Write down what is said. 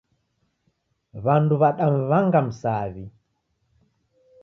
W'andu wadamw'anga msaw'i.